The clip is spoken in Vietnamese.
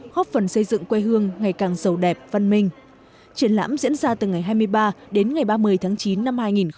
góp phần truyền tài đến bác là một trong những hoạt động có ý nghĩa